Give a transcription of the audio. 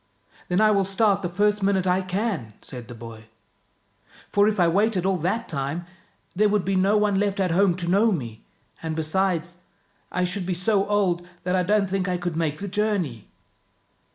" Then I will start the first minute I can," said the boy, " for if I waited all that time, there would be no 74 THE BOY WHO WENT OUT OF THE WORLD one left at home to know me, and besides I should be so old that I don't think I could make the journey.